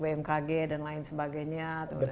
bmkg dan lain sebagainya